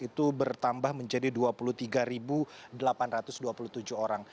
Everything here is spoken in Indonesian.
itu bertambah menjadi dua puluh tiga delapan ratus dua puluh tujuh orang